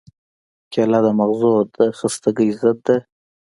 کېله د مغزو د خستګۍ ضد ده.